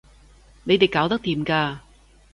你哋搞得掂㗎